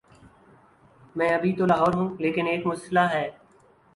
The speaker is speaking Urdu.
میں ابھی تو لاہور ہوں، لیکن ایک مسلہ ہے۔